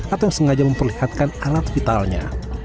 atau yang sengaja memperlihatkan alat vitalnya